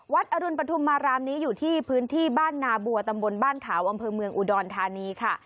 อรุณปฐุมมารามนี้อยู่ที่พื้นที่บ้านนาบัวตำบลบ้านขาวอำเภอเมืองอุดรธานีค่ะ